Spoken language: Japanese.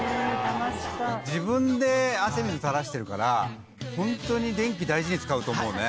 自分で汗水垂らしてるからホントに電気大事に使うと思うね。